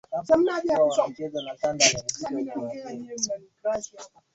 iwe itapata pingamizi wananchi wacanada wategemee kuingia kwenye uchaguzi mkuu